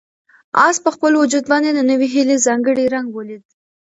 آس په خپل وجود باندې د نوې هیلې ځانګړی رنګ ولید.